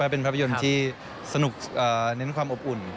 เป็นภาพยนตร์ที่สนุกเน้นความอบอุ่น